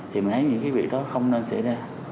thì mình thấy những cái việc đó không nên xảy ra